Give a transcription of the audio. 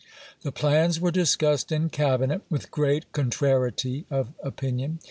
The plans were discussed in Cabinet with great contrariety of opinion.